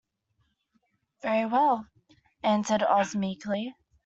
"Very well," answered Oz, meekly.